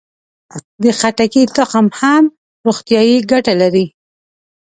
د خټکي تخم هم روغتیایي ګټه لري.